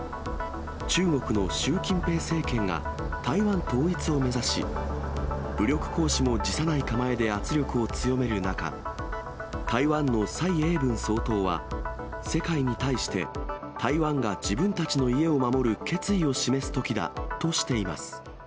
中国の習近平政権が台湾統一を目指し、武力行使も辞さない構えで圧力を強める中、台湾の蔡英文総統は、世界に対して、台湾が自分たちの家を守る決意を示すときだとしています。